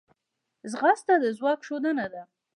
ځغاسته د ځواک ښودنه ده